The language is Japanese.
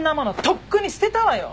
とっくに捨てたわよ！